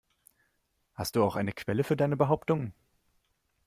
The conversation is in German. Hast du auch eine Quelle für deine Behauptungen?